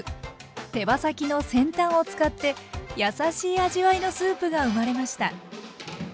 手羽先の先端を使って優しい味わいのスープが生まれました。